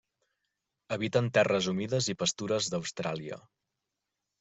Habiten terres humides i pastures d'Austràlia.